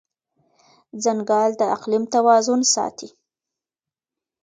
ځنګل د اقلیم توازن ساتي.